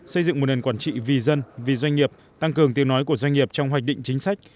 xây dựng một nền quản trị vì dân vì doanh nghiệp tăng cường tiếng nói của doanh nghiệp trong hoạch định chính sách